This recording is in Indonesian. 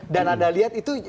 dan anda lihat itu